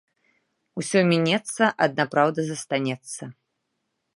Усё мінецца, адна праўда застанецца